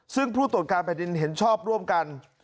ซึ่งผู้ตรวจการแผ่นดินเห็นชอบร่วมกัน